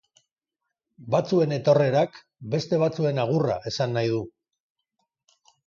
Batzuen etorrerak, beste batzuen agurra esan nahi du.